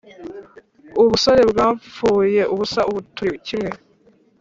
Ubusore bwapfuye ubusa ubu turikimwe